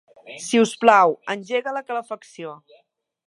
Si us plau, engega la calefacció.